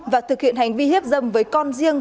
và thực hiện hành vi hiếp dâm với con riêng